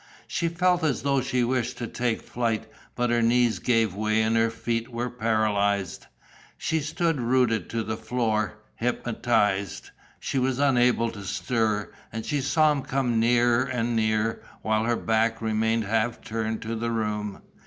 She felt as though she wished to take flight, but her knees gave way and her feet were paralysed. She stood rooted to the floor, hypnotized. She was unable to stir. And she saw him come nearer and nearer, while her back remained half turned to the room.